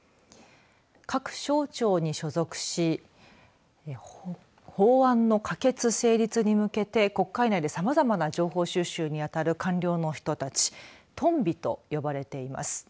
各省庁に所属し法案の可決成立に向けて国会内でさまざまな情報収集に当たる官僚の人たちトンビと呼ばれています。